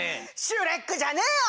シュレックじゃねーよ！